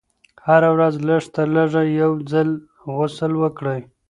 هره ورځ لږ تر لږه یو ځل غسل وکړئ.